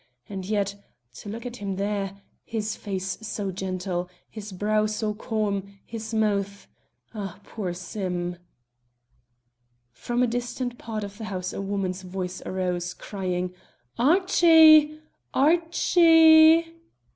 And yet to look at him there his face so gentle, his brow so calm, his mouth ah, poor Sim!" From a distant part of the house a woman's voice arose, crying, "Archie, Archi e e!"